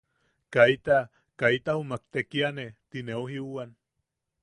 Kaita kaita jumak tekiane”. Tineu jiuwan.